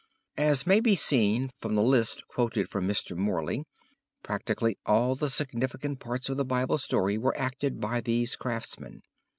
As may be seen from the list quoted from Mr. Morley, practically all the significant parts of the Bible story were acted by these craftsmen.